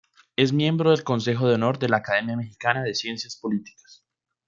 Es miembro del Consejo de Honor de la Academia Mexicana de Ciencias Políticas.